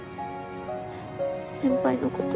先輩のこと